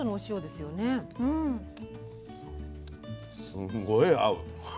すごい合う。